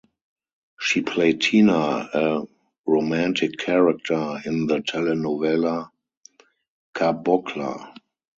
She played Tina, a romantic character, in the telenovela Cabocla.